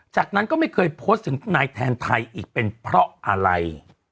จากนั้นก็ไม่เคยโพสต์ถึงนายแทนไทยอีกเป็นเพราะอะไร